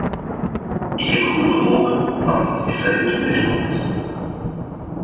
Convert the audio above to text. Ik heb goede hoop dat dat referendum er komt.